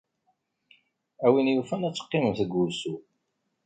A win yufan ad teqqimemt deg wusu.